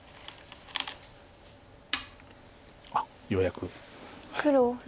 あっようやく。